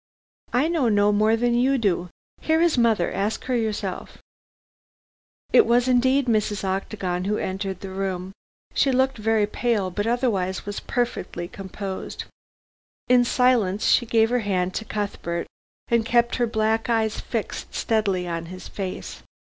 "I know no more than you do. Here is mother. Ask her yourself." It was indeed Mrs. Octagon who entered the room. She looked very pale, but otherwise was perfectly composed. In silence she gave her hand to Cuthbert, and kept her black eyes fixed steadily on his face.